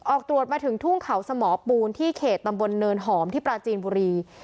ออกตรวจมาถึงทุ่งเขาสมอปูนที่เขตตำบลเนินหอมที่ปราจีนบุรี